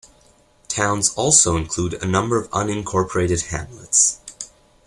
Towns also include a number of unincorporated hamlets.